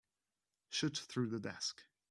Shoot through the desk.